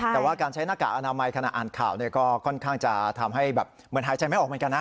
แต่ว่าการใช้หน้ากากอนามัยขณะอ่านข่าวก็ค่อนข้างจะทำให้แบบเหมือนหายใจไม่ออกเหมือนกันนะ